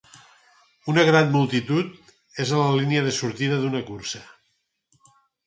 Una gran multitud és a la línia de sortida d'una cursa.